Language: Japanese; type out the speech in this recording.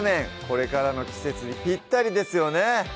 これからの季節にぴったりですよね